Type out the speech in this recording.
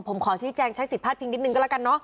ผมขอชิ้นแจงใช้สิทธิภาษณ์เพียงนิดนึงก็แล้วกันเนอะ